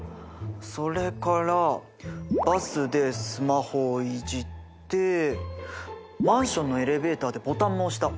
それからバスでスマホをいじってマンションのエレベーターでボタンも押した。